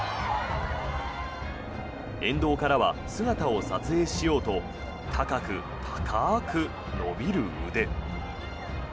沿道からは姿を撮影しようと高く高く伸びる腕。